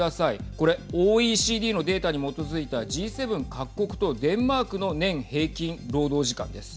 これＯＥＣＤのデータに基づいたＧ７各国とデンマークの年平均労働時間です。